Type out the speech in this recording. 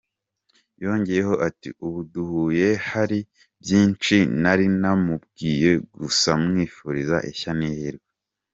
Yongeyeho ati “Ubu duhuye hari byinshi nari namubwiye, gusa mwifuriza ishya n’ihirwe.